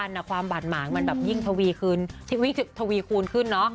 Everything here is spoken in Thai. และนับวันความบ่านหม่างมันยิ่งทวีคูณขึ้น